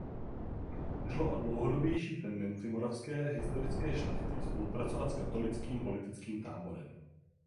Šlo o dlouhodobější tendenci moravské historické šlechty spolupracovat s katolickým politickým táborem.